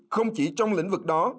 không chỉ trong lĩnh vực đó